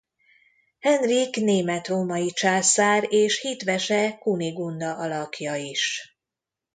Henrik német-római császár és hitvese Kunigunda alakja is.